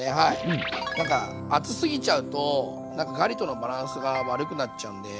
なんか厚すぎちゃうとなんかガリとのバランスが悪くなっちゃうんで。